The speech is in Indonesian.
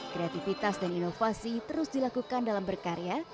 kreativitas dan inovasi terus dilakukan dalam berkarya